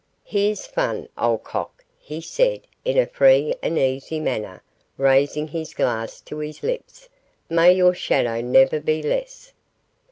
'Here's fun, old cock!' he said, in a free and easy manner, raising his glass to his lips; 'may your shadow never be less.